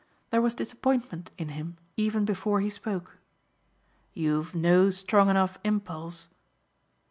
There was disappointment in him even before he spoke. "You've no strong enough impulse